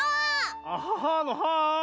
アハハのハー！